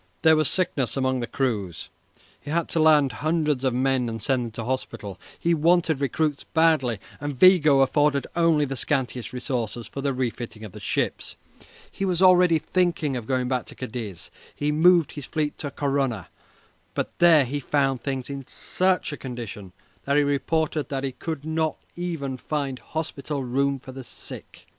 There was sickness among the crews. He had to land hundreds of men and send them to hospital. He wanted recruits badly, and Vigo afforded only the scantiest resources for the refitting of the ships. He was already thinking of going back to Cadiz. He moved his fleet to Corunna, but there he found things in such a condition that he reported that he could not even find hospital room for the sick.